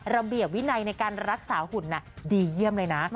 ระเบียบวินัยในการรักษาหุ่นดีเยี่ยมเลยนะ